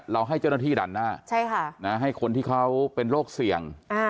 ให้เจ้าหน้าที่ดันหน้าให้คนที่เขาเป็นโรคเสี่ยง